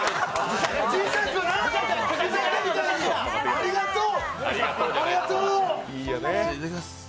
ありがとう！